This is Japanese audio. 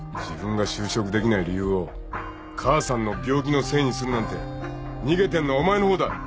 自分が就職できない理由を母さんの病気のせいにするなんて逃げてんのはお前の方だ。